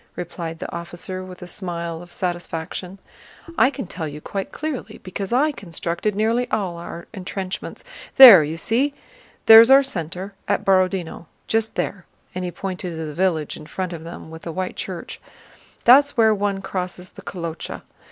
replied the officer with a smile of satisfaction. "I can tell you quite clearly, because I constructed nearly all our entrenchments. There, you see? There's our center, at Borodinó, just there," and he pointed to the village in front of them with the white church. "That's where one crosses the Kolochá.